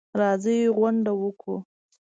راځئ غونډه وکړو.